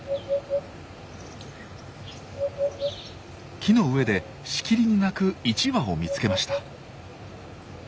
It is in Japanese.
木の上でしきりに鳴く１羽を見つけました。